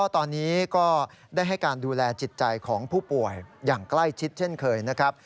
ตอนนี้ก็ได้ให้การดูแลจิตใจของผู้ป่วยอย่างใกล้ชิดเช่นเคยนะครับ